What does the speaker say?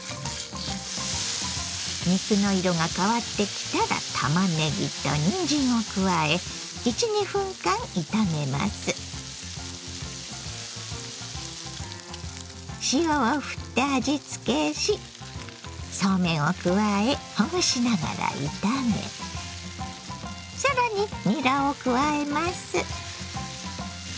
肉の色が変わってきたらたまねぎとにんじんを加え塩をふって味つけしそうめんを加えほぐしながら炒め更ににらを加えます。